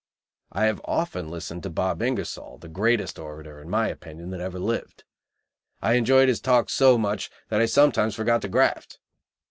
I have often listened to Bob Ingersoll, the greatest orator, in my opinion, that ever lived. I enjoyed his talk so much that I sometimes forgot to graft.